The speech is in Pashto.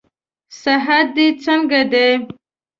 صحت دې څنګه دئ؟